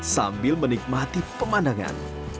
sambil menikmati pemandangan